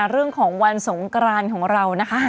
เรื่องของวันสงกรานของเรานะคะ